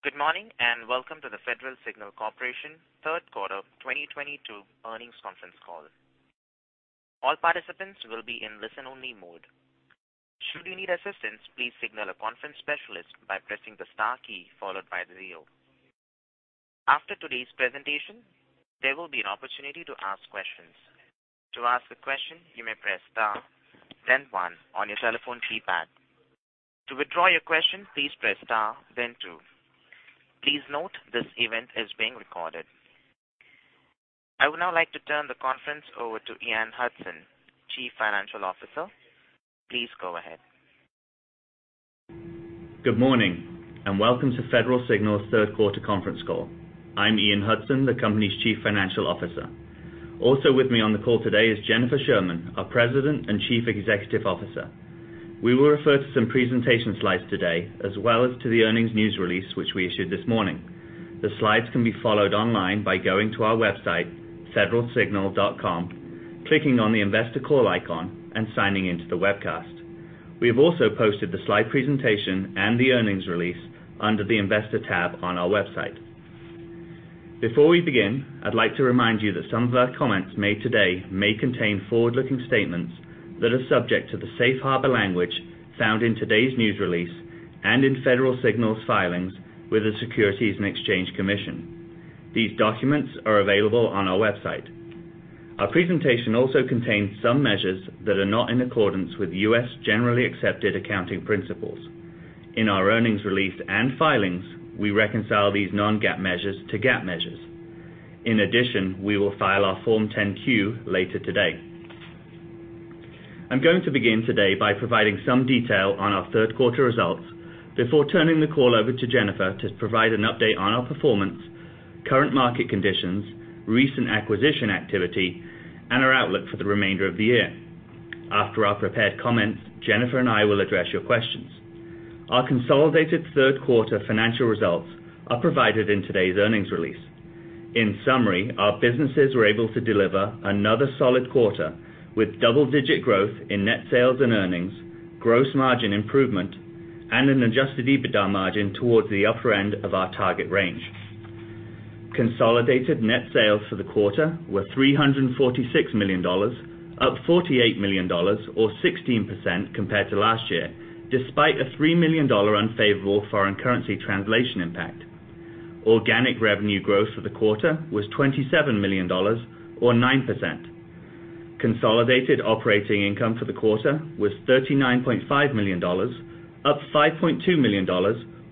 Good morning, and welcome to the Federal Signal Corporation third quarter 2022 earnings conference call. All participants will be in listen-only mode. Should you need assistance, please signal a conference specialist by pressing the star key followed by the zero. After today's presentation, there will be an opportunity to ask questions. To ask a question, you may press star then one on your telephone keypad. To withdraw your question, please press star then two. Please note this event is being recorded. I would now like to turn the conference over to Ian Hudson, Chief Financial Officer. Please go ahead. Good morning, and welcome to Federal Signal's third quarter conference call. I'm Ian Hudson, the company's Chief Financial Officer. Also with me on the call today is Jennifer Sherman, our President and Chief Executive Officer. We will refer to some presentation slides today as well as to the earnings news release, which we issued this morning. The slides can be followed online by going to our website, federalsignal.com, clicking on the Investor Call icon, and signing in to the webcast. We have also posted the slide presentation and the earnings release under the Investor tab on our website. Before we begin, I'd like to remind you that some of our comments made today may contain forward-looking statements that are subject to the safe harbor language found in today's news release and in Federal Signal's filings with the Securities and Exchange Commission. These documents are available on our website. Our presentation also contains some measures that are not in accordance with U.S. generally accepted accounting principles. In our earnings release and filings, we reconcile these non-GAAP measures to GAAP measures. In addition, we will file our Form 10-Q later today. I'm going to begin today by providing some detail on our third quarter results before turning the call over to Jennifer to provide an update on our performance, current market conditions, recent acquisition activity, and our outlook for the remainder of the year. After our prepared comments, Jennifer and I will address your questions. Our consolidated third quarter financial results are provided in today's earnings release. In summary, our businesses were able to deliver another solid quarter with double-digit growth in net sales and earnings, gross margin improvement, and an adjusted EBITDA margin towards the upper end of our target range. Consolidated net sales for the quarter were $346 million, up $48 million or 16% compared to last year, despite a $3 million unfavorable foreign currency translation impact. Organic revenue growth for the quarter was $27 million or 9%. Consolidated operating income for the quarter was $39.5 million, up $5.2 million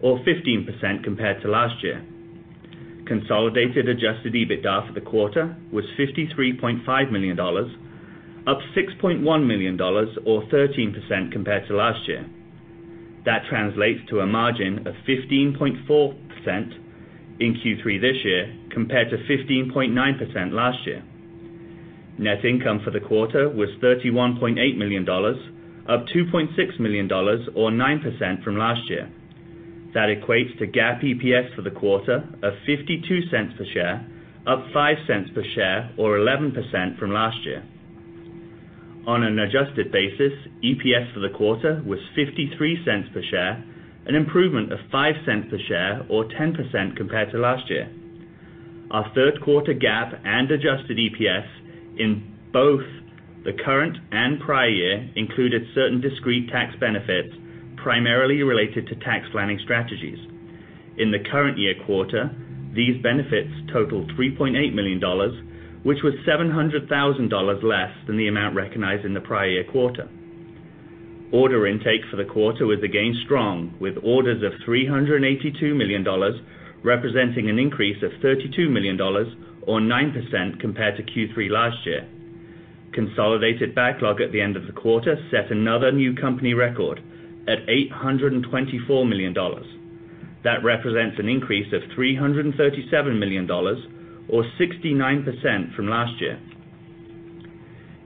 or 15% compared to last year. Consolidated adjusted EBITDA for the quarter was $53.5 million, up $6.1 million or 13% compared to last year. That translates to a margin of 15.4% in Q3 this year compared to 15.9% last year. Net income for the quarter was $31.8 million, up $2.6 million or 9% from last year. That equates to GAAP EPS for the quarter of $0.52 per share, up $0.05 per share or 11% from last year. On an adjusted basis, EPS for the quarter was $0.53 per share, an improvement of $0.05 per share or 10% compared to last year. Our third quarter GAAP and adjusted EPS in both the current and prior year included certain discrete tax benefits primarily related to tax planning strategies. In the current year quarter, these benefits totaled $3.8 million, which was $700,000 less than the amount recognized in the prior year quarter. Order intake for the quarter was again strong, with orders of $382 million, representing an increase of $32 million or 9% compared to Q3 last year. Consolidated backlog at the end of the quarter set another new company record at $824 million. That represents an increase of $337 million or 69% from last year.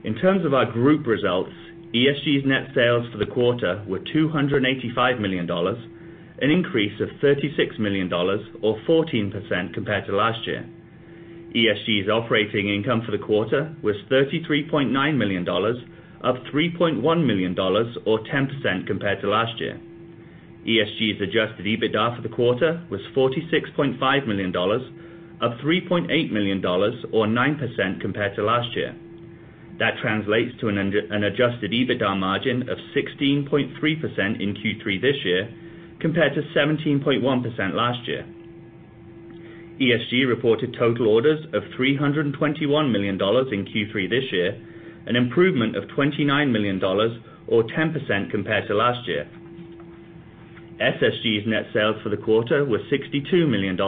In terms of our group results, ESG's net sales for the quarter were $285 million, an increase of $36 million or 14% compared to last year. ESG's operating income for the quarter was $33.9 million, up $3.1 million or 10% compared to last year. ESG's adjusted EBITDA for the quarter was $46.5 million, up $3.8 million or 9% compared to last year. That translates to an adjusted EBITDA margin of 16.3% in Q3 this year compared to 17.1% last year. ESG reported total orders of $321 million in Q3 this year, an improvement of $29 million or 10% compared to last year. SSG's net sales for the quarter were $62 million,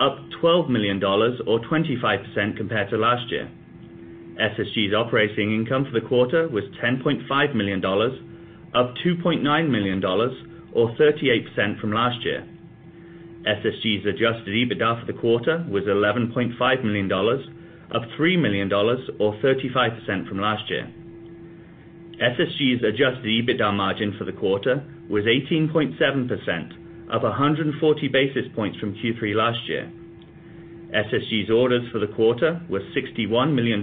up $12 million or 25% compared to last year. SSG's operating income for the quarter was $10.5 million, up $2.9 million or 38% from last year. SSG's adjusted EBITDA for the quarter was $11.5 million, up $3 million or 35% from last year. SSG's adjusted EBITDA margin for the quarter was 18.7%, up 140 basis points from Q3 last year. SSG's orders for the quarter were $61 million,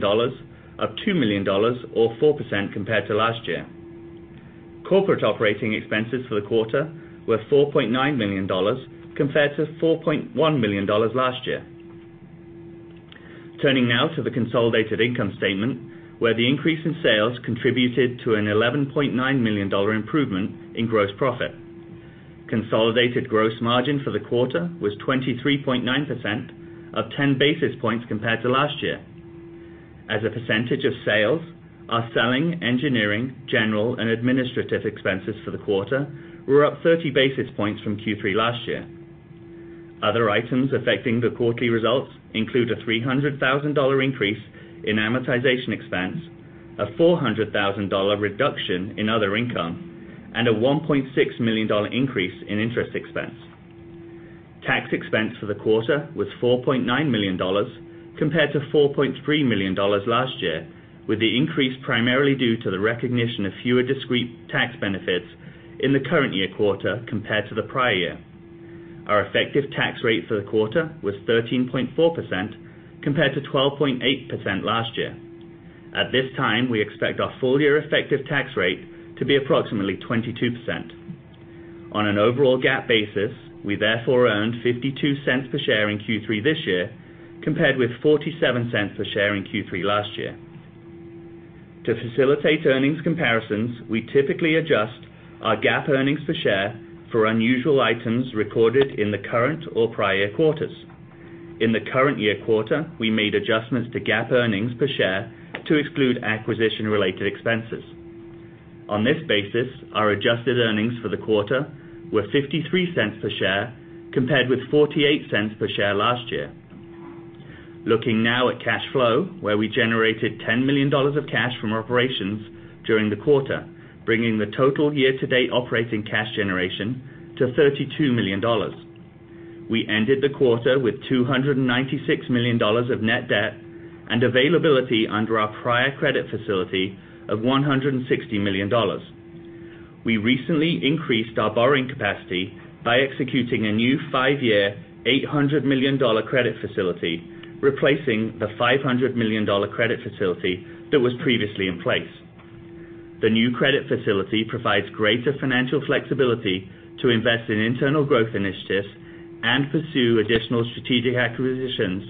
up $2 million or 4% compared to last year. Corporate operating expenses for the quarter were $4.9 million compared to $4.1 million last year. Turning now to the consolidated income statement, where the increase in sales contributed to an $11.9 million improvement in gross profit. Consolidated gross margin for the quarter was 23.9%, up 10 basis points compared to last year. As a percentage of sales, our selling, engineering, general, and administrative expenses for the quarter were up 30 basis points from Q3 last year. Other items affecting the quarterly results include a $300 thousand increase in amortization expense, a $400 thousand reduction in other income, and a $1.6 million increase in interest expense. Tax expense for the quarter was $4.9 million compared to $4.3 million last year, with the increase primarily due to the recognition of fewer discrete tax benefits in the current year quarter compared to the prior year. Our effective tax rate for the quarter was 13.4% compared to 12.8% last year. At this time, we expect our full year effective tax rate to be approximately 22%. On an overall GAAP basis, we therefore earned $0.52 per share in Q3 this year compared with $0.47 per share in Q3 last year. To facilitate earnings comparisons, we typically adjust our GAAP earnings per share for unusual items recorded in the current or prior quarters. In the current year quarter, we made adjustments to GAAP earnings per share to exclude acquisition-related expenses. On this basis, our adjusted earnings for the quarter were $0.53 per share compared with $0.48 per share last year. Looking now at cash flow, where we generated $10 million of cash from operations during the quarter, bringing the total year-to-date operating cash generation to $32 million. We ended the quarter with $296 million of net debt and availability under our prior credit facility of $160 million. We recently increased our borrowing capacity by executing a new five-year $800 million credit facility, replacing the $500 million credit facility that was previously in place. The new credit facility provides greater financial flexibility to invest in internal growth initiatives and pursue additional strategic acquisitions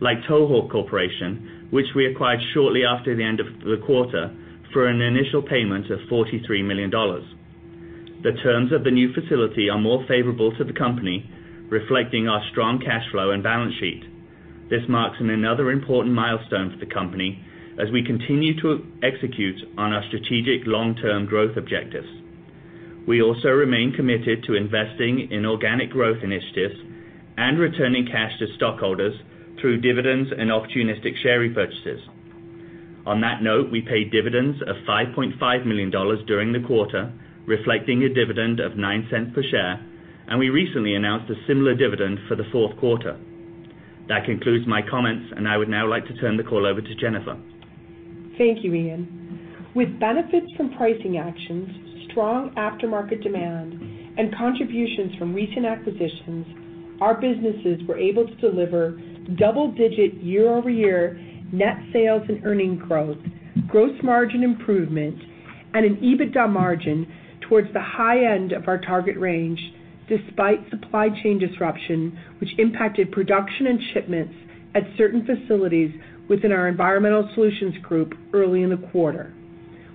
like TowHaul Corporation, which we acquired shortly after the end of the quarter for an initial payment of $43 million. The terms of the new facility are more favorable to the company, reflecting our strong cash flow and balance sheet. This marks another important milestone for the company as we continue to execute on our strategic long-term growth objectives. We also remain committed to investing in organic growth initiatives and returning cash to stockholders through dividends and opportunistic share repurchases. On that note, we paid dividends of $5.5 million during the quarter, reflecting a dividend of $0.09 per share, and we recently announced a similar dividend for the fourth quarter. That concludes my comments, and I would now like to turn the call over to Jennifer. Thank you, Ian. With benefits from pricing actions, strong aftermarket demand, and contributions from recent acquisitions, our businesses were able to deliver double-digit year-over-year net sales and earning growth, gross margin improvement, and an EBITDA margin towards the high end of our target range despite supply chain disruption which impacted production and shipments at certain facilities within our Environmental Solutions group early in the quarter.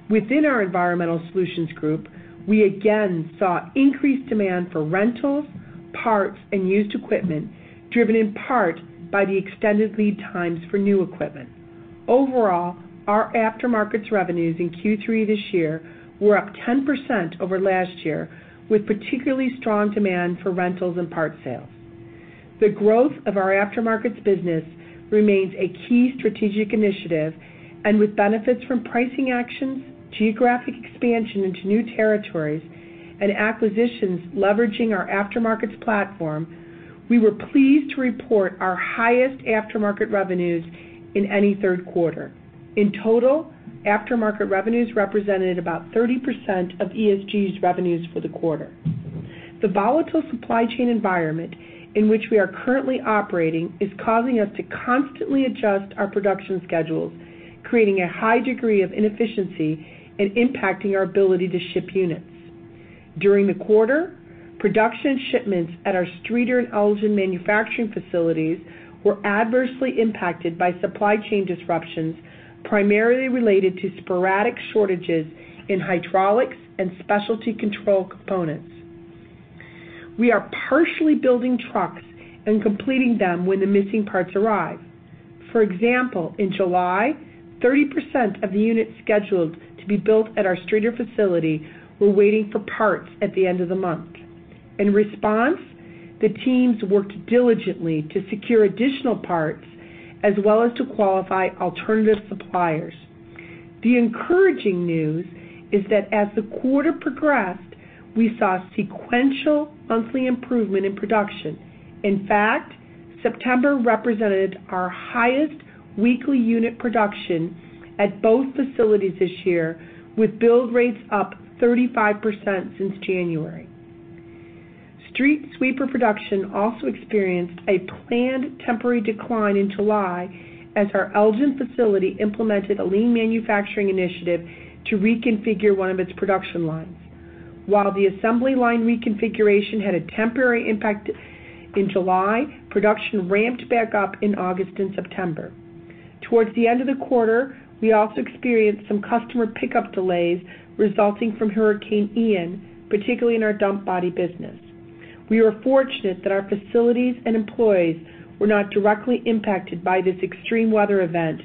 Within our Environmental Solutions group, we again saw increased demand for rentals, parts, and used equipment driven in part by the extended lead times for new equipment. Overall, our aftermarkets revenues in Q3 this year were up 10% over last year, with particularly strong demand for rentals and parts sales. The growth of our aftermarkets business remains a key strategic initiative, with benefits from pricing actions, geographic expansion into new territories, and acquisitions leveraging our aftermarkets platform, we were pleased to report our highest aftermarket revenues in any third quarter. In total, aftermarket revenues represented about 30% of ESG's revenues for the quarter. The volatile supply chain environment in which we are currently operating is causing us to constantly adjust our production schedules, creating a high degree of inefficiency and impacting our ability to ship units. During the quarter, production shipments at our Streator and Elgin manufacturing facilities were adversely impacted by supply chain disruptions primarily related to sporadic shortages in hydraulics and specialty control components. We are partially building trucks and completing them when the missing parts arrive. For example, in July, 30% of the units scheduled to be built at our Streator facility were waiting for parts at the end of the month. In response, the teams worked diligently to secure additional parts as well as to qualify alternative suppliers. The encouraging news is that as the quarter progressed, we saw sequential monthly improvement in production. In fact, September represented our highest weekly unit production at both facilities this year with build rates up 35% since January. Street sweeper production also experienced a planned temporary decline in July as our Elgin facility implemented a lean manufacturing initiative to reconfigure one of its production lines. While the assembly line reconfiguration had a temporary impact in July, production ramped back up in August and September. Toward the end of the quarter, we also experienced some customer pickup delays resulting from Hurricane Ian, particularly in our dump body business. We are fortunate that our facilities and employees were not directly impacted by this extreme weather event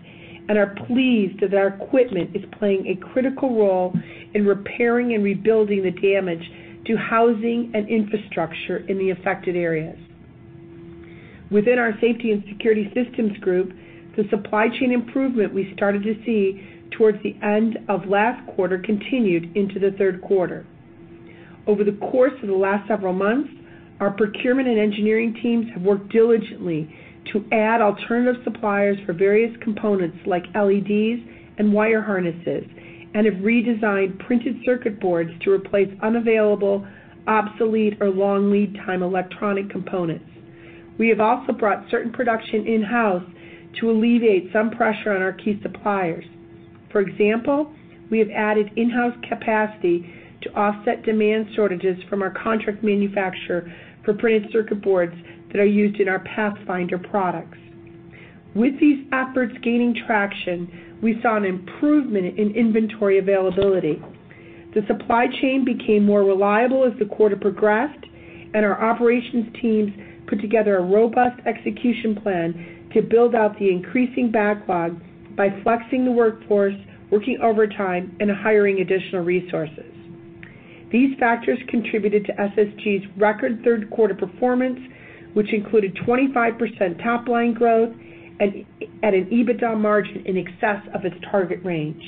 and are pleased that our equipment is playing a critical role in repairing and rebuilding the damage to housing and infrastructure in the affected areas. Within our Safety and Security Systems group, the supply chain improvement we started to see towards the end of last quarter continued into the third quarter. Over the course of the last several months, our procurement and engineering teams have worked diligently to add alternative suppliers for various components like LEDs and wire harnesses and have redesigned printed circuit boards to replace unavailable, obsolete, or long lead time electronic components. We have also brought certain production in-house to alleviate some pressure on our key suppliers. For example, we have added in-house capacity to offset demand shortages from our contract manufacturer for printed circuit boards that are used in our Pathfinder products. With these efforts gaining traction, we saw an improvement in inventory availability. The supply chain became more reliable as the quarter progressed and our operations teams put together a robust execution plan to build out the increasing backlog by flexing the workforce, working overtime and hiring additional resources. These factors contributed to SSG's record third quarter performance, which included 25% top line growth and at an EBITDA margin in excess of its target range.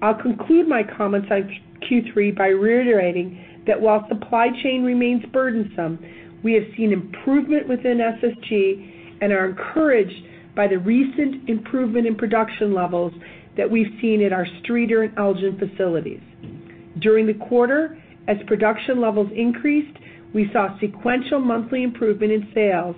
I'll conclude my comments on Q3 by reiterating that while supply chain remains burdensome, we have seen improvement within SSG and are encouraged by the recent improvement in production levels that we've seen in our Streator and Elgin facilities during the quarter. As production levels increased, we saw sequential monthly improvement in sales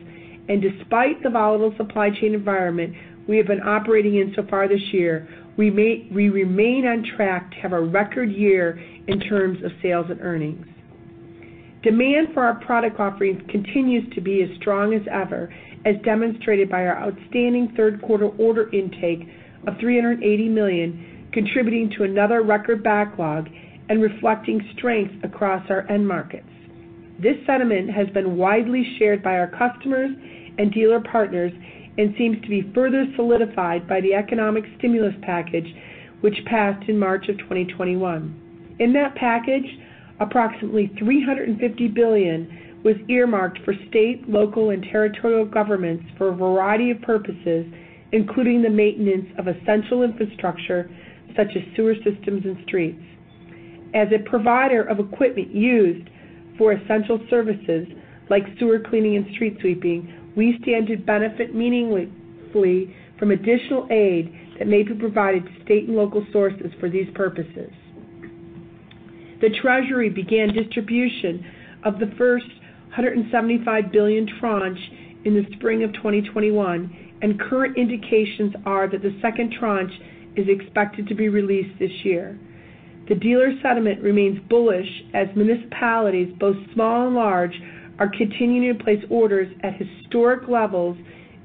and despite the volatile supply chain environment we have been operating in so far this year, we remain on track to have a record year in terms of sales and earnings. Demand for our product offerings continues to be as strong as ever, as demonstrated by our outstanding third quarter order intake of $380 million, contributing to another record backlog and reflecting strength across our end markets. This sentiment has been widely shared by our customers and dealer partners and seems to be further solidified by the economic stimulus package which passed in March of 2021. In that package, approximately $350 billion was earmarked for state, local and territorial governments for a variety of purposes, including the maintenance of essential infrastructure such as sewer systems and streets. As a provider of equipment used for essential services like sewer cleaning and street sweeping, we stand to benefit meaningfully from additional aid that may be provided to state and local sources for these purposes. The Treasury began distribution of the first $175 billion tranche in the spring of 2021, and current indications are that the second tranche is expected to be released this year. The dealer sentiment remains bullish as municipalities both small and large are continuing to place orders at historic levels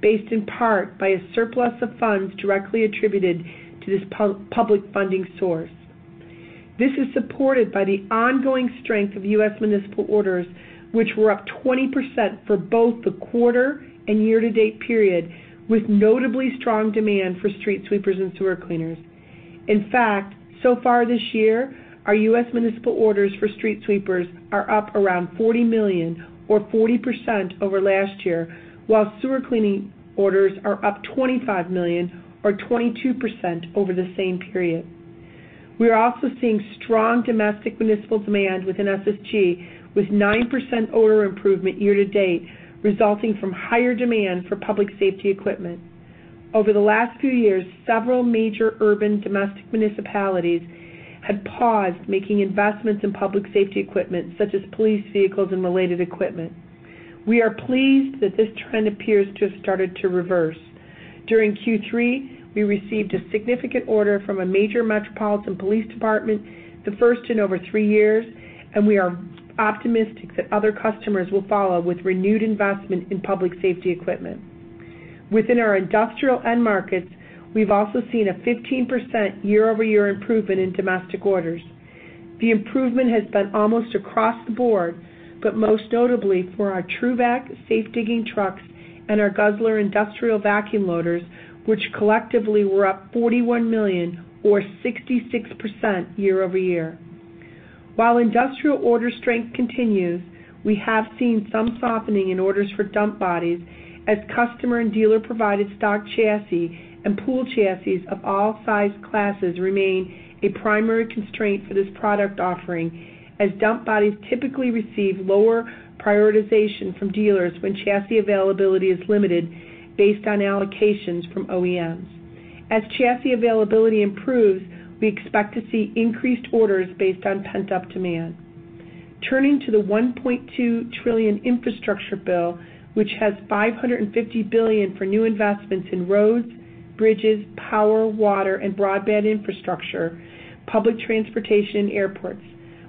based in part by a surplus of funds directly attributed to this public funding source. This is supported by the ongoing strength of U.S. municipal orders which were up 20% for both the quarter and year to date period, with notably strong demand for street sweepers and sewer cleaners. In fact, so far this year, our U.S. municipal orders for street sweepers are up around $40 million or 40% over last year, while sewer cleaning orders are up $25 million or 22% over the same period. We are also seeing strong domestic municipal demand within SSG with 9% order improvement year to date, resulting from higher demand for public safety equipment. Over the last few years, several major urban domestic municipalities have paused making investments in public safety equipment such as police vehicles and related equipment. We are pleased that this trend appears to have started to reverse. During Q3, we received a significant order from a major metropolitan police department, the first in over three years, and we are optimistic that other customers will follow with renewed investment in public safety equipment. Within our industrial end markets, we've also seen a 15% year-over-year improvement in domestic orders. The improvement has been almost across the board, but most notably for our TRUVAC safe digging trucks and our Guzzler industrial vacuum loaders which collectively were up $41 million or 66% year-over-year. While industrial order strength continues, we have seen some softening in orders for dump bodies as customer and dealer provided stock chassis and pool chassis of all size classes remain a primary constraint for this product offering as dump bodies typically receive lower prioritization from dealers when chassis availability is limited based on allocations from OEMs. As chassis availability improves, we expect to see increased orders based on pent-up demand. Turning to the $1.2 trillion infrastructure bill, which has $550 billion for new investments in roads, bridges, power, water, and broadband infrastructure, public transportation, and airports.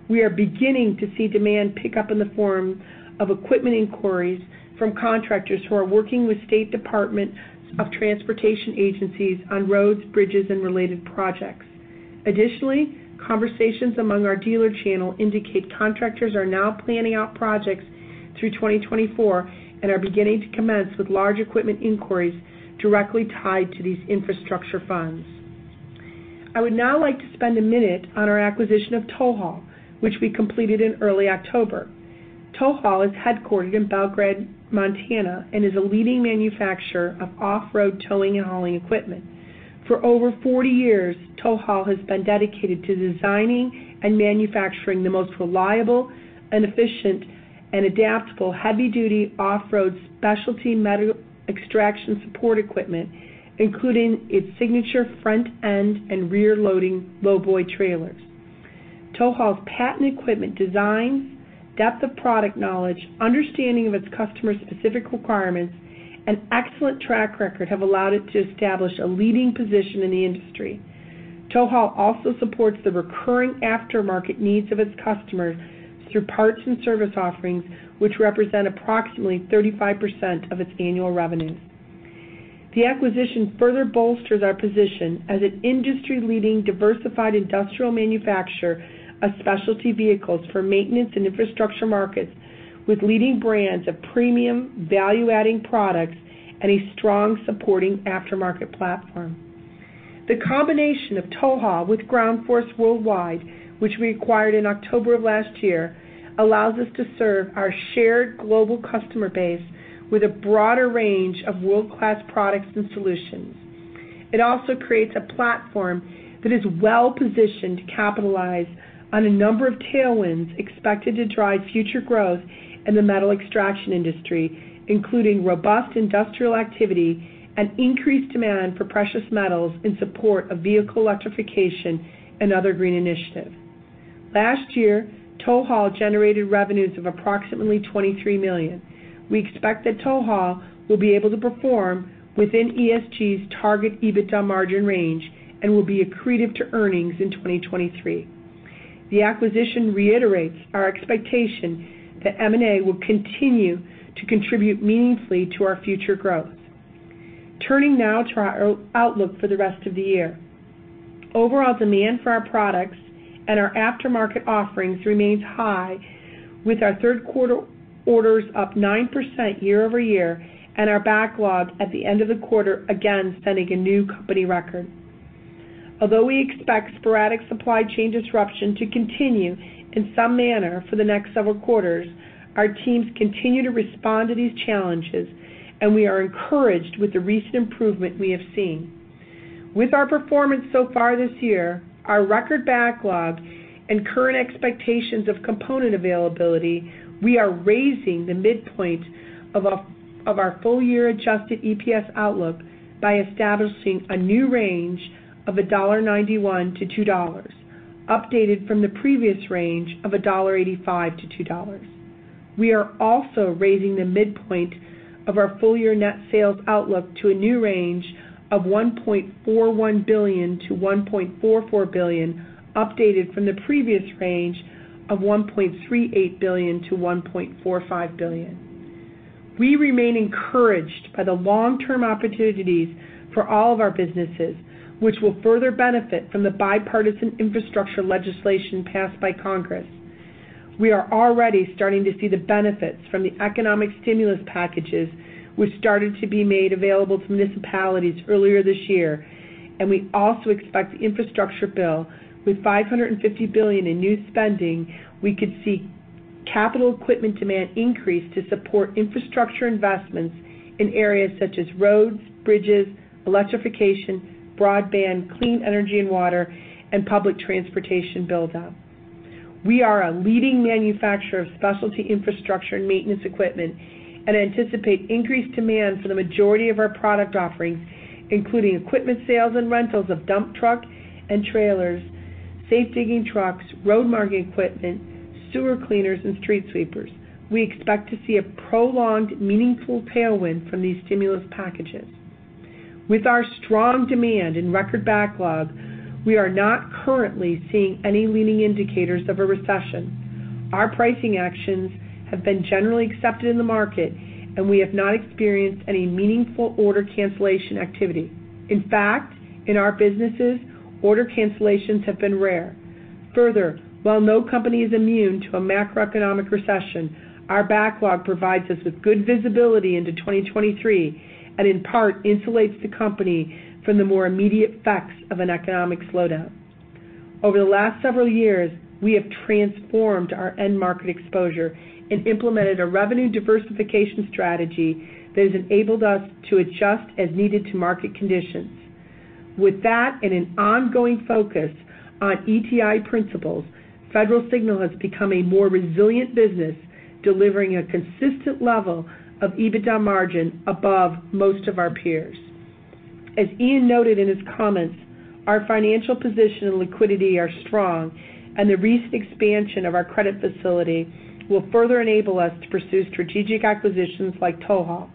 We are beginning to see demand pick up in the form of equipment inquiries from contractors who are working with state department of transportation agencies on roads, bridges, and related projects. Additionally, conversations among our dealer channel indicate contractors are now planning out projects through 2024 and are beginning to commence with large equipment inquiries directly tied to these infrastructure funds. I would now like to spend a minute on our acquisition of TowHaul, which we completed in early October. TowHaul is headquartered in Belgrade, Montana, and is a leading manufacturer of off-road towing and hauling equipment. For over 40 years, TowHaul has been dedicated to designing and manufacturing the most reliable and efficient and adaptable heavy-duty off-road specialty metal extraction support equipment, including its signature front end and rear loading low boy trailers. TowHaul's patented equipment designs, depth of product knowledge, understanding of its customer-specific requirements, and excellent track record have allowed it to establish a leading position in the industry. TowHaul also supports the recurring aftermarket needs of its customers through parts and service offerings, which represent approximately 35% of its annual revenues. The acquisition further bolsters our position as an industry-leading diversified industrial manufacturer of specialty vehicles for maintenance and infrastructure markets with leading brands of premium value-adding products and a strong supporting aftermarket platform. The combination of TowHaul with Ground Force Worldwide, which we acquired in October of last year, allows us to serve our shared global customer base with a broader range of world-class products and solutions. It also creates a platform that is well-positioned to capitalize on a number of tailwinds expected to drive future growth in the metal extraction industry, including robust industrial activity and increased demand for precious metals in support of vehicle electrification and other green initiatives. Last year, TowHaul generated revenues of approximately $23 million. We expect that TowHaul will be able to perform within ESG's target EBITDA margin range and will be accretive to earnings in 2023. The acquisition reiterates our expectation that M&A will continue to contribute meaningfully to our future growth. Turning now to our outlook for the rest of the year. Overall demand for our products and our aftermarket offerings remains high with our third quarter orders up 9% year-over-year, and our backlog at the end of the quarter again setting a new company record. Although we expect sporadic supply chain disruption to continue in some manner for the next several quarters, our teams continue to respond to these challenges, and we are encouraged with the recent improvement we have seen. With our performance so far this year, our record backlog and current expectations of component availability, we are raising the midpoint of our full year adjusted EPS outlook by establishing a new range of $1.91-$2, updated from the previous range of $1.85-$2. We are also raising the midpoint of our full year net sales outlook to a new range of $1.41 billion-$1.44 billion, updated from the previous range of $1.38 billion-$1.45 billion. We remain encouraged by the long-term opportunities for all of our businesses, which will further benefit from the bipartisan infrastructure legislation passed by Congress. We are already starting to see the benefits from the economic stimulus packages, which started to be made available to municipalities earlier this year. We also expect the infrastructure bill with $550 billion in new spending. We could see capital equipment demand increase to support infrastructure investments in areas such as roads, bridges, electrification, broadband, clean energy and water, and public transportation build-up. We are a leading manufacturer of specialty infrastructure and maintenance equipment and anticipate increased demand for the majority of our product offerings, including equipment sales and rentals of dump truck and trailers, safe digging trucks, road marking equipment, sewer cleaners, and street sweepers. We expect to see a prolonged, meaningful tailwind from these stimulus packages. With our strong demand and record backlog, we are not currently seeing any leading indicators of a recession. Our pricing actions have been generally accepted in the market, and we have not experienced any meaningful order cancellation activity. In fact, in our businesses, order cancellations have been rare. Further, while no company is immune to a macroeconomic recession, our backlog provides us with good visibility into 2023 and in part insulates the company from the more immediate effects of an economic slowdown. Over the last several years, we have transformed our end market exposure and implemented a revenue diversification strategy that has enabled us to adjust as needed to market conditions. With that and an ongoing focus on DE&I principles, Federal Signal has become a more resilient business, delivering a consistent level of EBITDA margin above most of our peers. As Ian noted in his comments, our financial position and liquidity are strong, and the recent expansion of our credit facility will further enable us to pursue strategic acquisitions like TowHaul.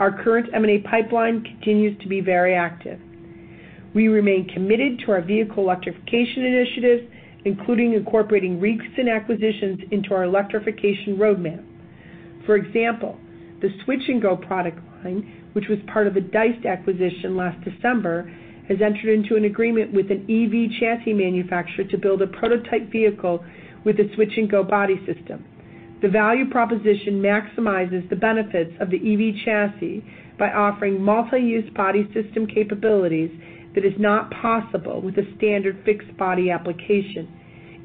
Our current M&A pipeline continues to be very active. We remain committed to our vehicle electrification initiatives, including incorporating recent acquisitions into our electrification roadmap. For example, the Switch-N-Go product line, which was part of Deist acquisition last December, has entered into an agreement with an EV chassis manufacturer to build a prototype vehicle with a Switch-N-Go body system. The value proposition maximizes the benefits of the EV chassis by offering multi-use body system capabilities that is not possible with a standard fixed body application.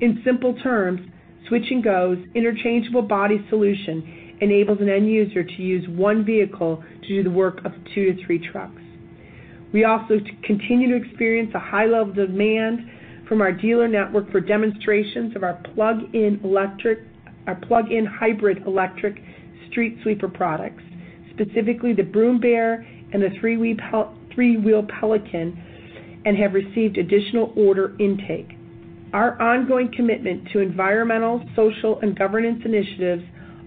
In simple terms, Switch-N-Go's interchangeable body solution enables an end user to use one vehicle to do the work of two-three trucks. We also continue to experience a high level of demand from our dealer network for demonstrations of our plug-in hybrid electric street sweeper products, specifically the Broom Bear and the three-wheel Pelican, and have received additional order intake. Our ongoing commitment to environmental, social, and governance initiatives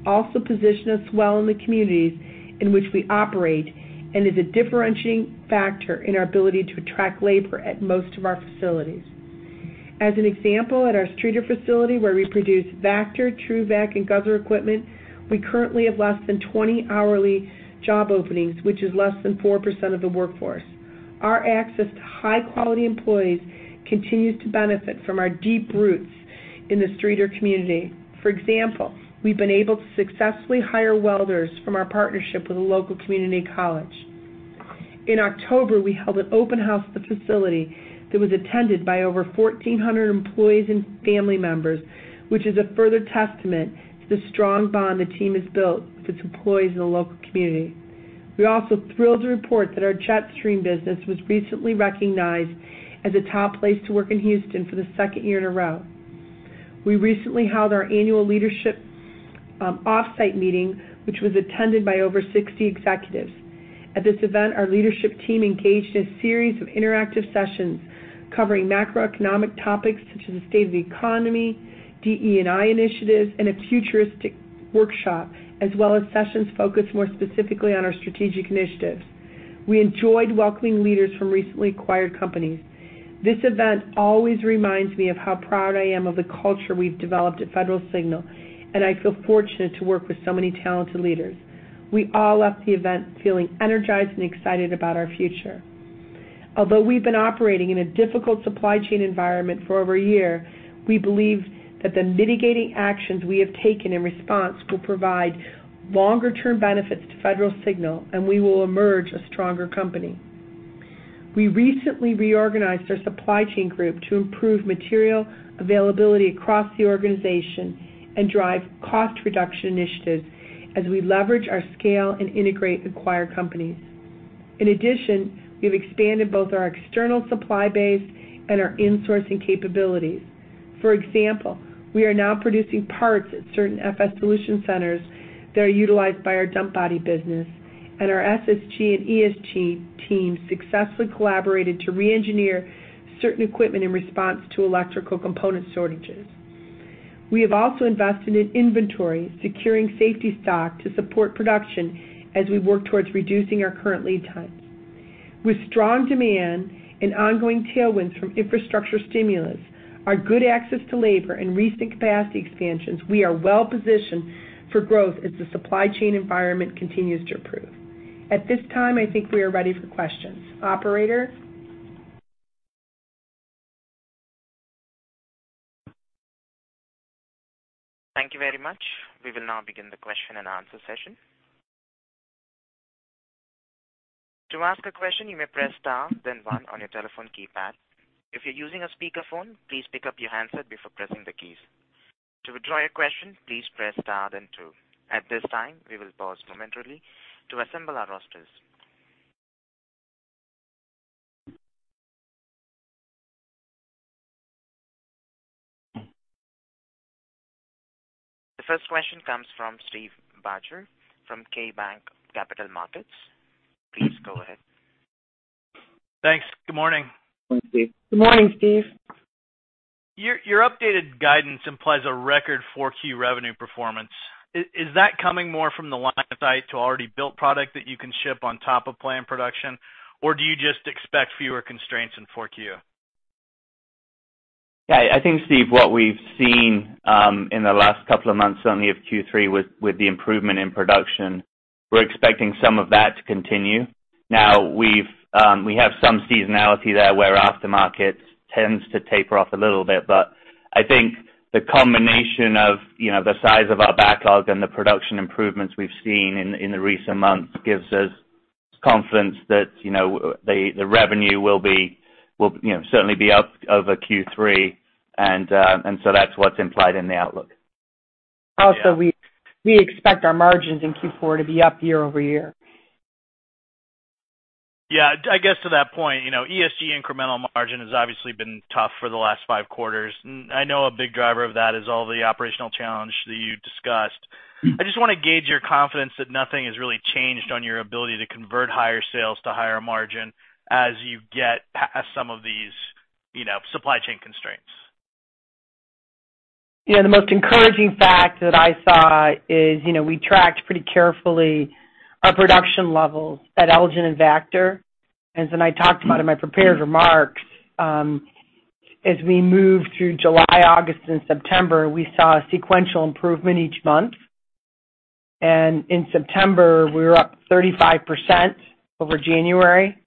also position us well in the communities in which we operate and is a differentiating factor in our ability to attract labor at most of our facilities. As an example, at our Streator facility, where we produce Vactor, TRUVAC, and Guzzler equipment, we currently have less than 20 hourly job openings, which is less than 4% of the workforce. Our access to high-quality employees continues to benefit from our deep roots in the Streator community. For example, we've been able to successfully hire welders from our partnership with a local community college. In October, we held an open house at the facility that was attended by over 1,400 employees and family members, which is a further testament to the strong bond the team has built with its employees in the local community. We're also thrilled to report that our Jetstream business was recently recognized as a top place to work in Houston for the second year in a row. We recently held our annual leadership off-site meeting, which was attended by over 60 executives. At this event, our leadership team engaged in a series of interactive sessions covering macroeconomic topics such as the state of the economy, DE&I initiatives, and a futuristic workshop, as well as sessions focused more specifically on our strategic initiatives. We enjoyed welcoming leaders from recently acquired companies. This event always reminds me of how proud I am of the culture we've developed at Federal Signal, and I feel fortunate to work with so many talented leaders. We all left the event feeling energized and excited about our future. Although we've been operating in a difficult supply chain environment for over a year, we believe that the mitigating actions we have taken in response will provide longer-term benefits to Federal Signal, and we will emerge a stronger company. We recently reorganized our supply chain group to improve material availability across the organization and drive cost reduction initiatives as we leverage our scale and integrate acquired companies. In addition, we've expanded both our external supply base and our insourcing capabilities. For example, we are now producing parts at certain FS Solutions centers that are utilized by our dump body business, and our SSG and ESG teams successfully collaborated to re-engineer certain equipment in response to electrical component shortages. We have also invested in inventory, securing safety stock to support production as we work towards reducing our current lead times. With strong demand and ongoing tailwinds from infrastructure stimulus, our good access to labor and recent capacity expansions, we are well positioned for growth as the supply chain environment continues to improve. At this time, I think we are ready for questions. Operator? Thank you very much. We will now begin the question-and-answer session. To ask a question, you may press star, then one on your telephone keypad. If you're using a speakerphone, please pick up your handset before pressing the keys. To withdraw your question, please press star then two. At this time, we will pause momentarily to assemble our rosters. The first question comes from Steve Barger from KeyBanc Capital Markets. Please go ahead. Thanks. Good morning. Good morning, Steve. Your updated guidance implies a record Q4 revenue performance. Is that coming more from the stock of already built product that you can ship on top of planned production? Or do you just expect fewer constraints in Q4? Yeah. I think, Steve, what we've seen in the last couple of months, certainly of Q3 with the improvement in production, we're expecting some of that to continue. Now we have some seasonality there where aftermarket tends to taper off a little bit. I think the combination of, you know, the size of our backlog and the production improvements we've seen in the recent months gives us confidence that, you know, the revenue will be, you know, certainly up over Q3 and so that's what's implied in the outlook. Also, we expect our margins in Q4 to be up year-over-year. Yeah, I guess to that point, you know, ESG incremental margin has obviously been tough for the last five quarters. I know a big driver of that is all the operational challenge that you discussed. Mm. I just wanna gauge your confidence that nothing has really changed on your ability to convert higher sales to higher margin as you get some of these, you know, supply chain constraints. You know, the most encouraging fact that I saw is, you know, we tracked pretty carefully our production levels at Elgin and Vactor. Then I talked about in my prepared remarks, as we moved through July, August, and September, we saw a sequential improvement each month. In September, we were up 35% over January.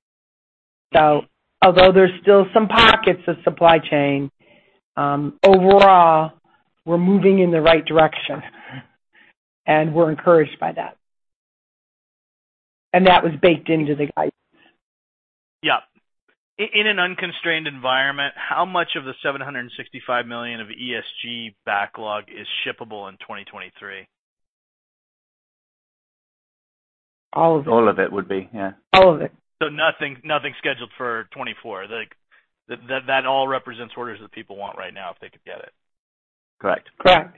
Although there's still some pockets of supply chain, overall, we're moving in the right direction, and we're encouraged by that. That was baked into the guidance. Yeah. In an unconstrained environment, how much of the $765 million of ESG backlog is shippable in 2023? All of it. All of it would be, yeah. All of it. Nothing scheduled for 2024. Like, that all represents orders that people want right now if they could get it. Correct. Correct.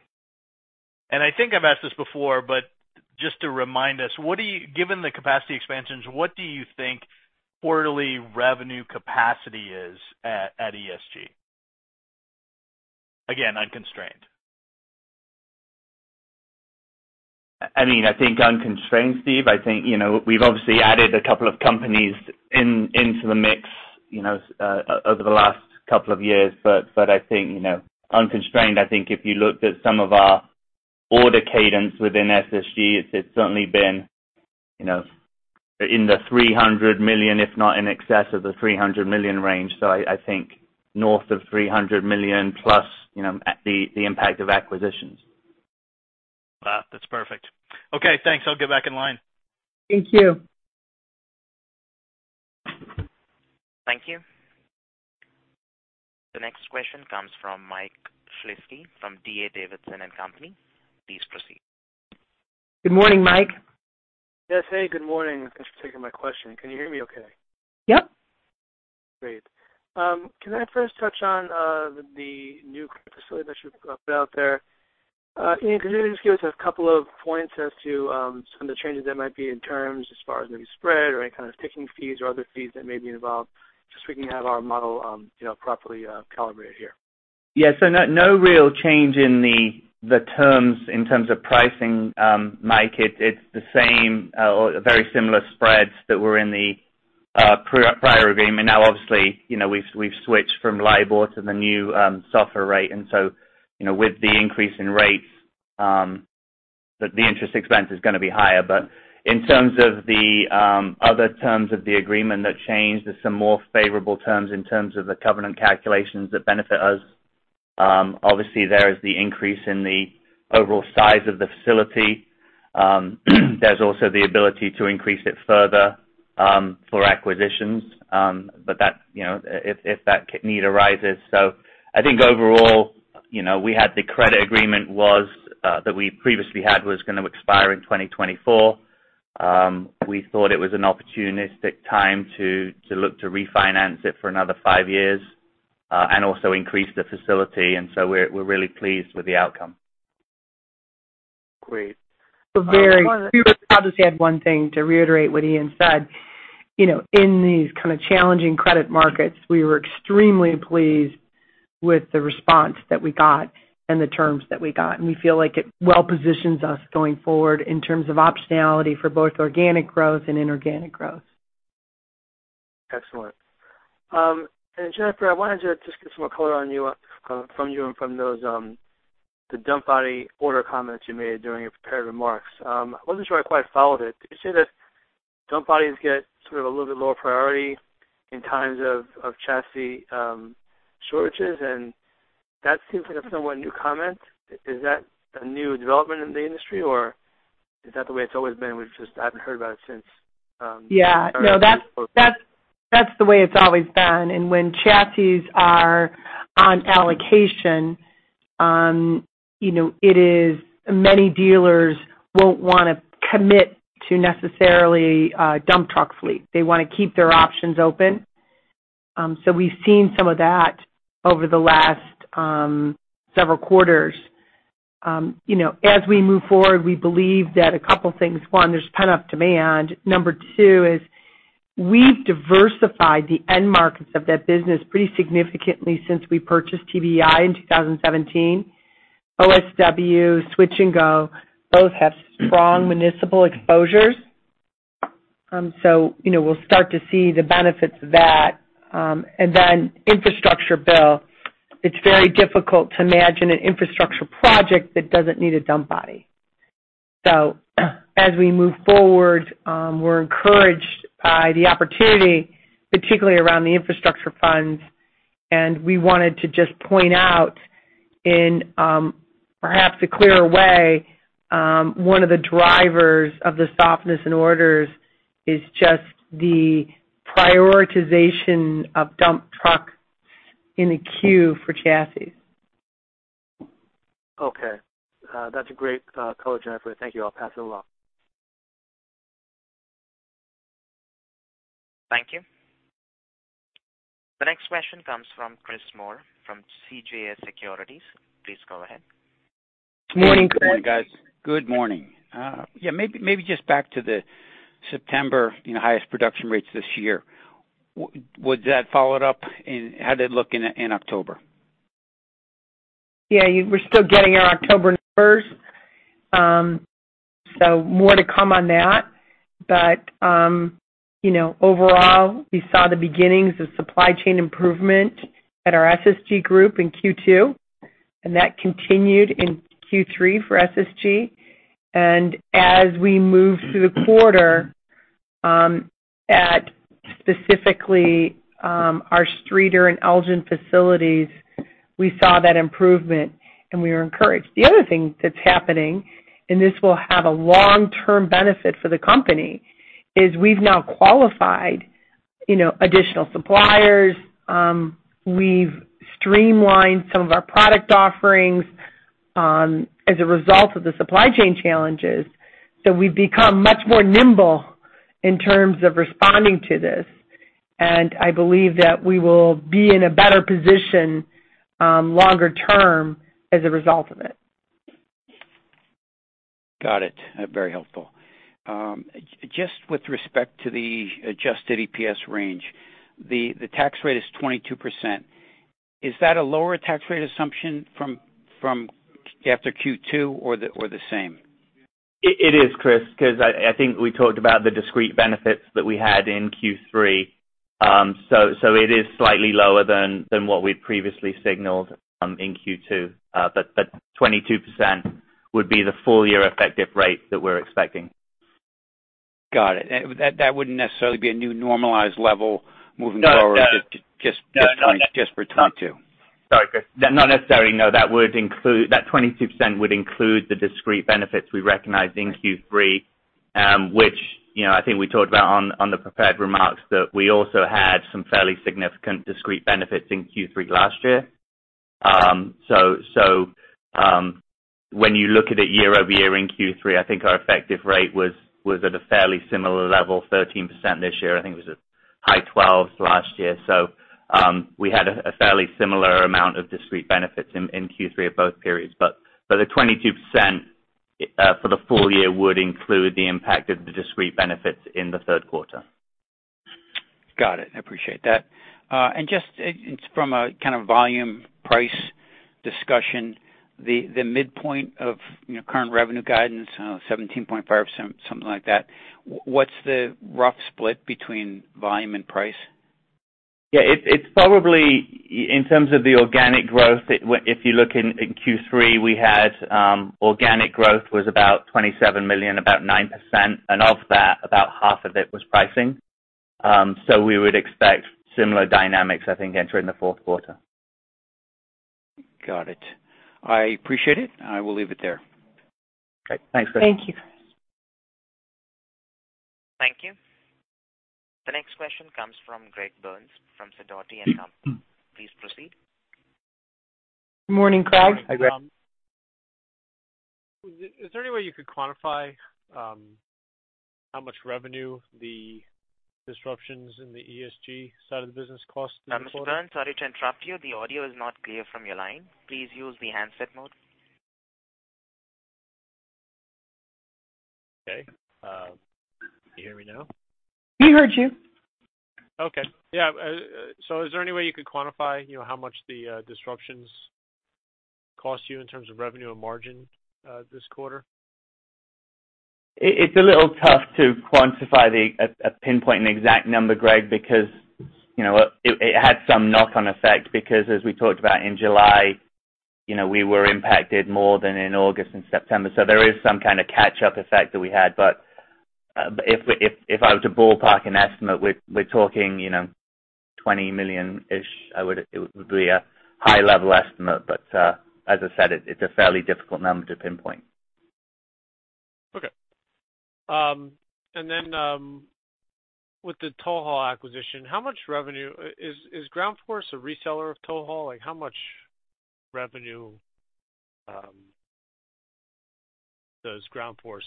I think I've asked this before, but just to remind us, given the capacity expansions, what do you think quarterly revenue capacity is at ESG? Again, unconstrained. I mean, I think unconstrained, Steve, I think, you know, we've obviously added a couple of companies into the mix, you know, over the last couple of years. I think, you know, unconstrained, I think if you looked at some of our order cadence within SSG, it's certainly been, you know, in the $300 million, if not in excess of the $300 million range. I think north of $300 million+, you know, at the impact of acquisitions. Wow, that's perfect. Okay, thanks. I'll get back in line. Thank you. Thank you. The next question comes from Mike Shlisky from D.A. Davidson Companies. Please proceed. Good morning, Mike. Yes. Hey, good morning. Thanks for taking my question. Can you hear me okay? Yep. Great. Can I first touch on the new credit facility that you put out there? Ian, can you just give us a couple of points as to some of the changes that might be in terms as far as maybe spread or any kind of ticking fees or other fees that may be involved, just so we can have our model, you know, properly calibrated here. Yeah. No real change in the terms in terms of pricing, Mike. It's the same or very similar spreads that were in the prior agreement. Now, obviously, you know, we've switched from LIBOR to the new SOFR rate. You know, with the increase in rates, the interest expense is gonna be higher. But in terms of the other terms of the agreement that changed, there's some more favorable terms in terms of the covenant calculations that benefit us. Obviously, there is the increase in the overall size of the facility. There's also the ability to increase it further for acquisitions, but that's, you know, if that need arises. I think overall, you know, the credit agreement that we previously had was gonna expire in 2024. We thought it was an opportunistic time to look to refinance it for another five years, and also increase the facility. We're really pleased with the outcome. Great. We're very- I was- I'll just add one thing to reiterate what Ian said. You know, in these kind of challenging credit markets, we were extremely pleased with the response that we got and the terms that we got. We feel like it well positions us going forward in terms of optionality for both organic growth and inorganic growth. Excellent. Jennifer, I wanted to just get some more color on you from you and from those the dump body order comments you made during your prepared remarks. I wasn't sure I quite followed it. Did you say that dump bodies get sort of a little bit lower priority in times of chassis shortages? That seems like a somewhat new comment. Is that a new development in the industry, or is that the way it's always been, we've just haven't heard about it since- Yeah. No. That's the way it's always been. When chassis are on allocation, you know, it is many dealers won't wanna commit to necessarily a dump truck fleet. They wanna keep their options open. We've seen some of that over the last several quarters. You know, as we move forward, we believe that a couple things. One, there's pent-up demand. Number two is we've diversified the end markets of that business pretty significantly since we purchased TBEI in 2017. OSW, Switch-N-Go both have strong municipal exposures. You know, we'll start to see the benefits of that. Then infrastructure bill. It's very difficult to imagine an infrastructure project that doesn't need a dump body. As we move forward, we're encouraged by the opportunity, particularly around the infrastructure funds. We wanted to just point out in perhaps a clearer way, one of the drivers of the softness in orders is just the prioritization of dump truck in the queue for chassis. Okay. That's a great color, Jennifer. Thank you. I'll pass it along. Thank you. The next question comes from Chris Moore from CJS Securities. Please go ahead. Morning, Chris. Good morning, guys. Good morning. Yeah, maybe just back to the September, you know, highest production rates this year. Would that follow it up? How did it look in October? Yeah, we're still getting our October numbers. So more to come on that. you know, overall, we saw the beginnings of supply chain improvement at our SSG group in Q2, and that continued in Q3 for SSG. as we moved through the quarter, at specifically our Streator and Elgin facilities, we saw that improvement, and we were encouraged. The other thing that's happening, and this will have a long-term benefit for the company, is we've now qualified, you know, additional suppliers. we've streamlined some of our product offerings as a result of the supply chain challenges. we've become much more nimble in terms of responding to this, and I believe that we will be in a better position longer term as a result of it. Got it. Very helpful. Just with respect to the adjusted EPS range, the tax rate is 22%. Is that a lower tax rate assumption from after Q2 or the same? It is, Chris, 'cause I think we talked about the discrete benefits that we had in Q3. It is slightly lower than what we'd previously signaled in Q2. That 22% would be the full year effective rate that we're expecting. Got it. That wouldn't necessarily be a new normalized level moving forward. No, no. Just for 2022. Sorry, Chris. Not necessarily, no. That 22% would include the discrete benefits we recognized in Q3, which, you know, I think we talked about on the prepared remarks, that we also had some fairly significant discrete benefits in Q3 last year. When you look at it year-over-year in Q3, I think our effective rate was at a fairly similar level, 13% this year. I think it was a high 12% last year. We had a fairly similar amount of discrete benefits in Q3 of both periods. The 22% for the full year would include the impact of the discrete benefits in the third quarter. Got it. I appreciate that. From a kind of volume price discussion, the midpoint of, you know, current revenue guidance, 17.5%, something like that, what's the rough split between volume and price? It's probably in terms of the organic growth, if you look in Q3, we had organic growth was about $27 million, about 9%. Of that, about half of it was pricing. We would expect similar dynamics, I think, entering the fourth quarter. Got it. I appreciate it. I will leave it there. Great. Thanks, Chris. Thank you. Thank you. The next question comes from Greg Burns from Sidoti & Co. Please proceed. Morning, Greg. Hi, Greg. Is there any way you could quantify, how much revenue the disruptions in the ESG side of the business cost this quarter? Mr. Burns, sorry to interrupt you. The audio is not clear from your line. Please use the handset mode. Okay. Can you hear me now? We heard you. Okay. Yeah. Is there any way you could quantify, you know, how much the disruptions cost you in terms of revenue and margin, this quarter? It's a little tough to quantify, pinpoint an exact number, Greg, because it had some knock-on effect, because as we talked about in July, we were impacted more than in August and September. There is some kind of catch-up effect that we had. If I were to ballpark an estimate, we're talking $20 million-ish. It would be a high-level estimate. As I said, it's a fairly difficult number to pinpoint. Okay. With the TowHaul acquisition, how much revenue? Is Ground Force a reseller of TowHaul? Like, how much revenue does Ground Force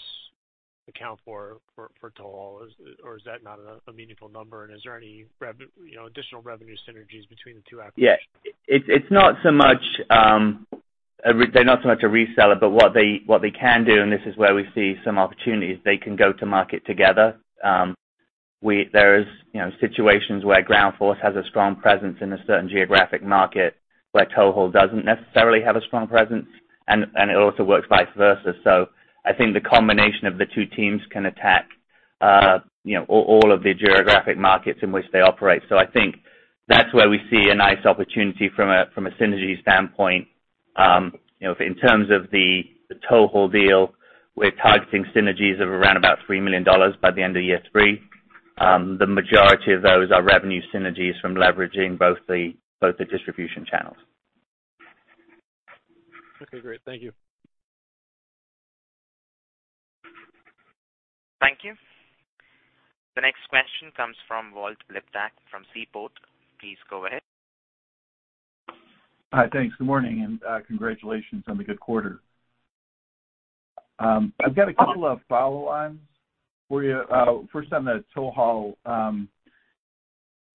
account for TowHaul? Is it or is that not a meaningful number? Is there any you know, additional revenue synergies between the two acquisitions? Yeah. It's not so much a reseller, but what they can do, and this is where we see some opportunities, they can go to market together. There's you know, situations where Ground Force has a strong presence in a certain geographic market where TowHaul doesn't necessarily have a strong presence, and it also works vice versa. I think the combination of the two teams can attack you know, all of the geographic markets in which they operate. I think that's where we see a nice opportunity from a synergy standpoint. You know, in terms of the TowHaul deal, we're targeting synergies of around about $3 million by the end of year three. The majority of those are revenue synergies from leveraging both the distribution channels. Okay, great. Thank you. Thank you. The next question comes from Walt Liptak from Seaport. Please go ahead. Hi. Thanks. Good morning, and congratulations on the good quarter. I've got a couple of follow-ons for you. First on the TowHaul.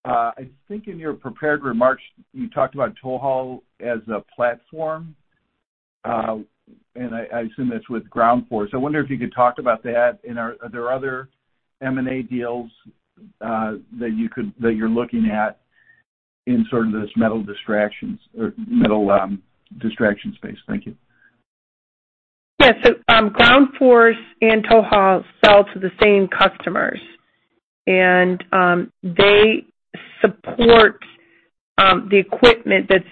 I think in your prepared remarks, you talked about TowHaul as a platform, and I assume that's with Ground Force. I wonder if you could talk about that. Are there other M&A deals that you're looking at in sort of this material handling space? Thank you. Yeah. Ground Force and TowHaul sell to the same customers, and, they support, the equipment that's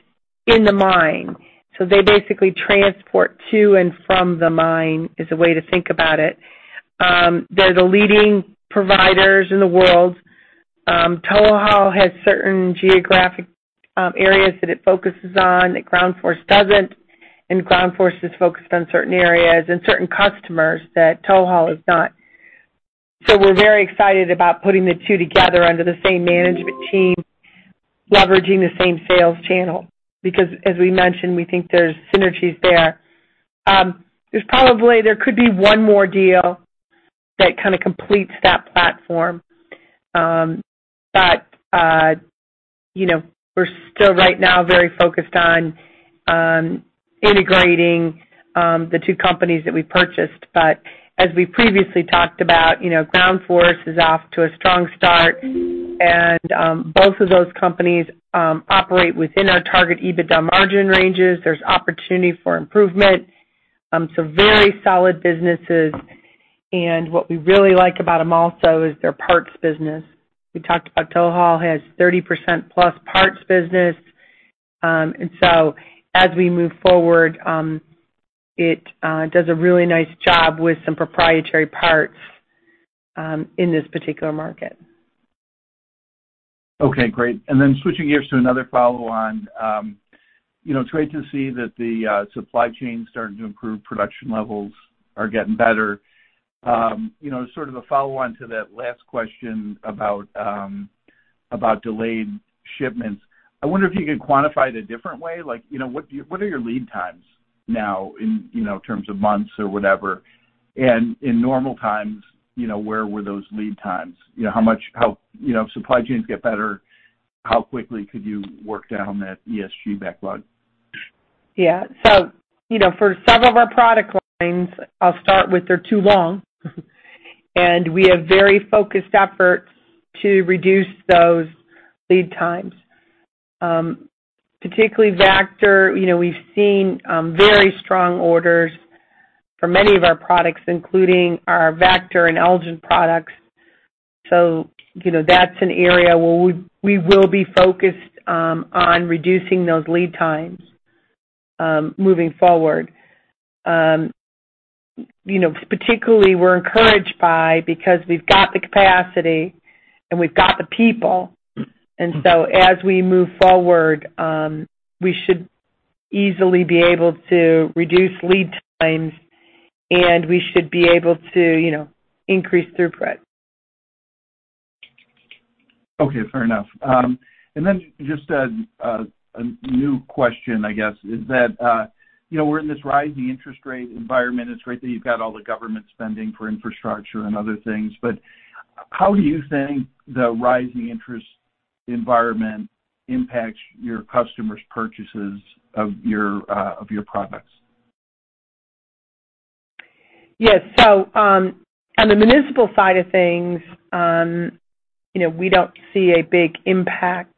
in the mine. They basically transport to and from the mine is a way to think about it. They're the leading providers in the world. TowHaul has certain geographic, areas that it focuses on that Ground Force doesn't, and Ground Force is focused on certain areas and certain customers that TowHaul is not. We're very excited about putting the two together under the same management team, leveraging the same sales channel, because as we mentioned, we think there's synergies there. There's probably there could be one more deal that kind of completes that platform. But, you know, we're still right now very focused on, integrating, the two companies that we purchased. As we previously talked about, you know, Ground Force is off to a strong start, and both of those companies operate within our target EBITDA margin ranges. There's opportunity for improvement. Some very solid businesses. What we really like about them also is their parts business. We talked about TowHaul has 30%+ parts business. As we move forward, it does a really nice job with some proprietary parts in this particular market. Okay. Great. Switching gears to another follow-on. You know, it's great to see that the supply chain starting to improve, production levels are getting better. You know, sort of a follow-on to that last question about about delayed shipments. I wonder if you could quantify it a different way. Like, you know, what are your lead times now in, you know, terms of months or whatever? In normal times, you know, where were those lead times? You know, how, you know, supply chains get better, how quickly could you work down that ESG backlog? Yeah. You know, for some of our product lines, I'll start with they're too long. We have very focused efforts to reduce those lead times. Particularly Vactor, you know, we've seen very strong orders for many of our products, including our Vactor and Elgin products. You know, that's an area where we will be focused on reducing those lead times moving forward. You know, particularly we're encouraged because we've got the capacity and we've got the people. As we move forward, we should easily be able to reduce lead times, and we should be able to, you know, increase throughput. Okay. Fair enough. Just a new question, I guess, is that, you know, we're in this rising interest rate environment. It's great that you've got all the government spending for infrastructure and other things, but how do you think the rising interest environment impacts your customers' purchases of your products? Yes. On the municipal side of things, you know, we don't see a big impact.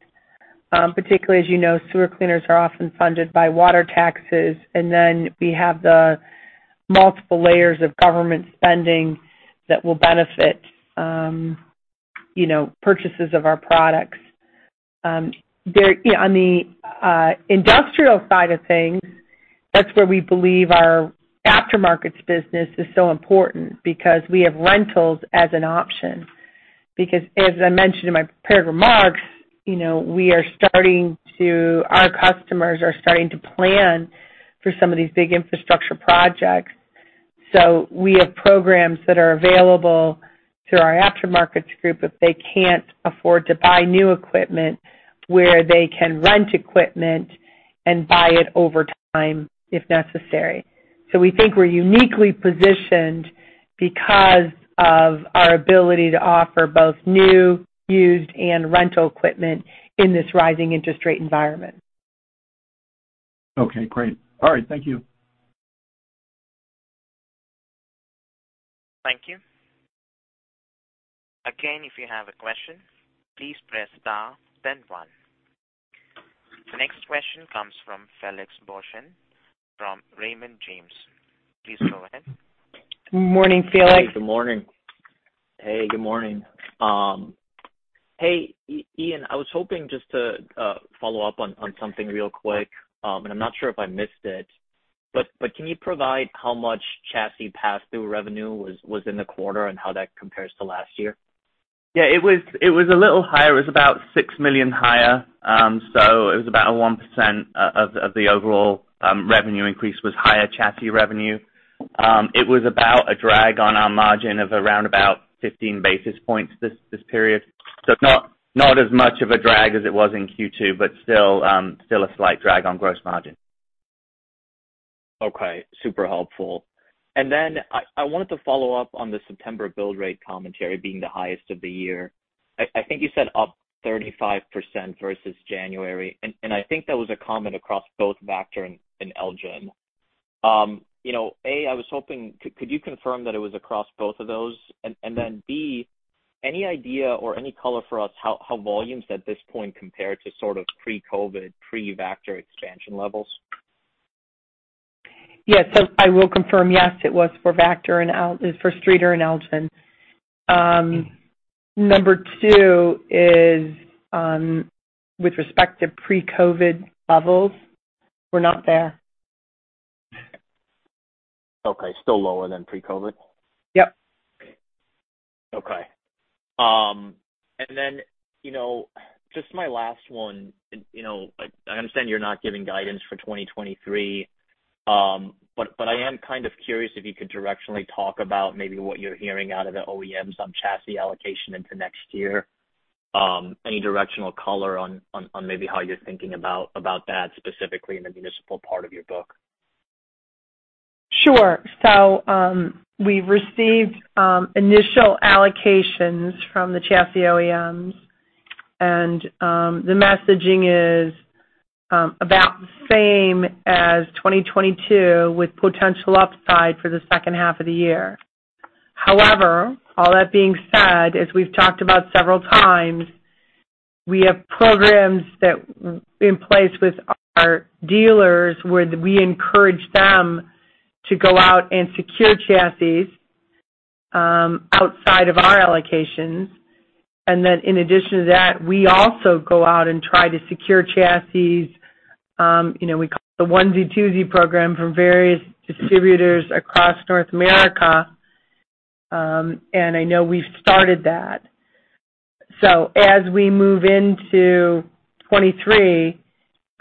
Particularly, as you know, sewer cleaners are often funded by water taxes, and then we have the multiple layers of government spending that will benefit, you know, purchases of our products. On the industrial side of things, that's where we believe our aftermarkets business is so important because we have rentals as an option. Because as I mentioned in my prepared remarks, you know, our customers are starting to plan for some of these big infrastructure projects. We have programs that are available through our aftermarkets group if they can't afford to buy new equipment, where they can rent equipment and buy it over time if necessary. We think we're uniquely positioned because of our ability to offer both new, used, and rental equipment in this rising interest rate environment. Okay. Great. All right. Thank you. Thank you. Again, if you have a question, please press star then one. The next question comes from Felix Boeschen from Raymond James. Please go ahead. Morning, Felix. Hey, good morning. Hey, Ian, I was hoping just to follow up on something real quick. I'm not sure if I missed it, but can you provide how much chassis passthrough revenue was in the quarter and how that compares to last year? Yeah, it was a little higher. It was about $6 million higher. It was about a 1% of the overall revenue increase was higher chassis revenue. It was about a drag on our margin of around 15 basis points this period. Not as much of a drag as it was in Q2, but still a slight drag on gross margin. Okay, super helpful. I wanted to follow up on the September build rate commentary being the highest of the year. I think you said up 35% versus January, and I think that was a comment across both Vactor and Elgin. You know, A, I was hoping could you confirm that it was across both of those? B, any idea or any color for us how volumes at this point compare to sort of pre-COVID, pre-Vactor expansion levels? Yes. I will confirm, yes, it was for Vactor for Streator and Elgin. Number two is, with respect to pre-COVID levels, we're not there. Okay, still lower than pre-COVID? Yep. Okay. You know, just my last one. You know, I understand you're not giving guidance for 2023. I am kind of curious if you could directionally talk about maybe what you're hearing out of the OEMs on chassis allocation into next year. Any directional color on maybe how you're thinking about that specifically in the municipal part of your book. Sure. We've received initial allocations from the chassis OEMs and the messaging is about the same as 2022 with potential upside for the second half of the year. However, all that being said, as we've talked about several times, we have programs in place with our dealers, where we encourage them to go out and secure chassis outside of our allocations. In addition to that, we also go out and try to secure chassis, you know, we call it the onesie-twosie program, from various distributors across North America, and I know we've started that. As we move into 2023,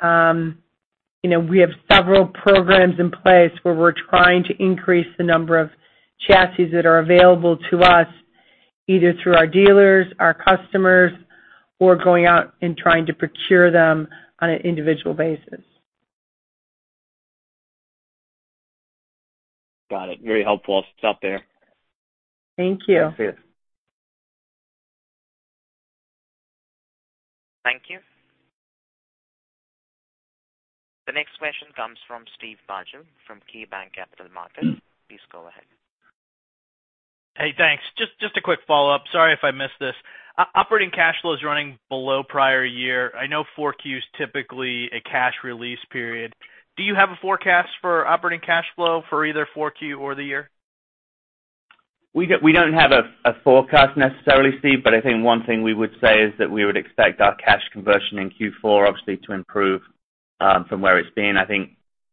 you know, we have several programs in place where we're trying to increase the number of chassis that are available to us, either through our dealers, our customers, or going out and trying to procure them on an individual basis. Got it. Very helpful. It's out there. Thank you. Thanks. See you. Thank you. The next question comes from Steve Barger from KeyBanc Capital Markets. Please go ahead. Hey, thanks. Just a quick follow-up. Sorry if I missed this. Operating cash flow is running below prior year. I know 4Q is typically a cash release period. Do you have a forecast for operating cash flow for either 4Q or the year? We don't have a forecast necessarily, Steve, but I think one thing we would say is that we would expect our cash conversion in Q4 obviously to improve from where it's been. I think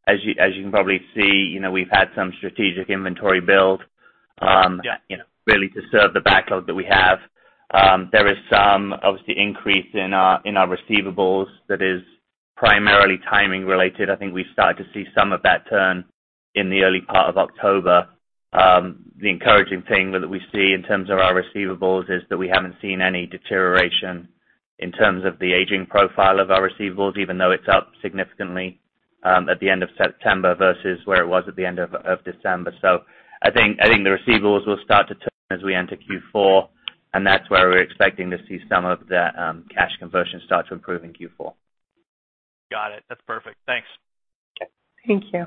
as you can probably see, you know, we've had some strategic inventory build. Yeah. You know, really to serve the backlog that we have. There is some obvious increase in our receivables that is primarily timing related. I think we've started to see some of that turn in the early part of October. The encouraging thing that we see in terms of our receivables is that we haven't seen any deterioration in terms of the aging profile of our receivables, even though it's up significantly at the end of September versus where it was at the end of December. I think the receivables will start to turn as we enter Q4, and that's where we're expecting to see some of the cash conversion start to improve in Q4. Got it. That's perfect. Thanks. Okay. Thank you.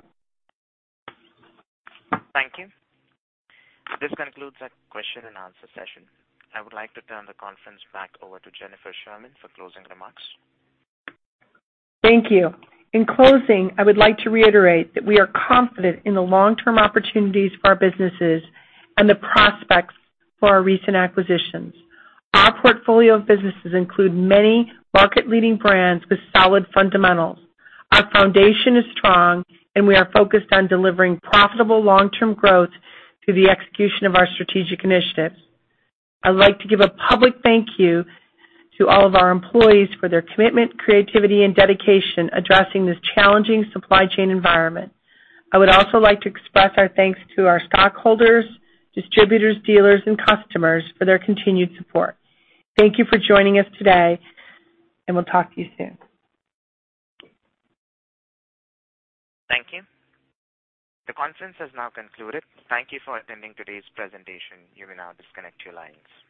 Thank you. This concludes our question and answer session. I would like to turn the conference back over to Jennifer Sherman for closing remarks. Thank you. In closing, I would like to reiterate that we are confident in the long-term opportunities for our businesses and the prospects for our recent acquisitions. Our portfolio of businesses include many market-leading brands with solid fundamentals. Our foundation is strong, and we are focused on delivering profitable long-term growth through the execution of our strategic initiatives. I'd like to give a public thank you to all of our employees for their commitment, creativity, and dedication addressing this challenging supply chain environment. I would also like to express our thanks to our stockholders, distributors, dealers, and customers for their continued support. Thank you for joining us today, and we'll talk to you soon. Thank you. The conference has now concluded. Thank you for attending today's presentation. You may now disconnect your lines.